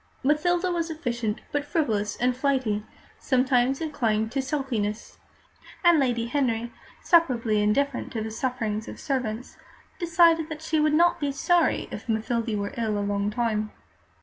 Mathilde was efficient, but frivolous and flighty, sometimes inclined to sulkiness; and Lady Henry, superbly indifferent to the sufferings of servants, decided that she would not be sorry if Mathilde were ill a long time.